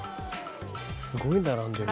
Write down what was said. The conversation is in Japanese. すごい並んでる。